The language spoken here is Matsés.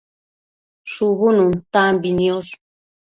shubu nuntambi niosh